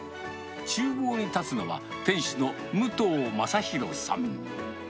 ちゅう房に立つのは店主の武藤まさひろさん。